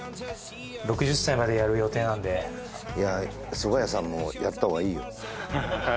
蕎麦屋さんもやった方がいいよ